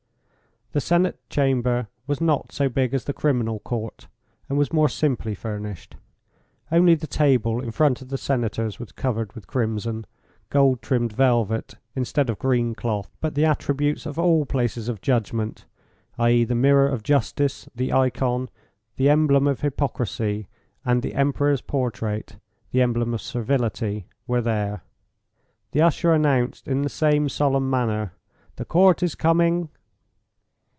The Senate Chamber was not so big as the Criminal Court; and was more simply furnished, only the table in front of the senators was covered with crimson, gold trimmed velvet, instead of green cloth; but the attributes of all places of judgment, i.e., the mirror of justice, the icon, the emblem of hypocrisy, and the Emperor's portrait, the emblem of servility, were there. The usher announced, in the same solemn manner: "The Court is coming."